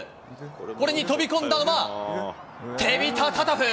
これに飛び込んだのが、テビタ・タタフ。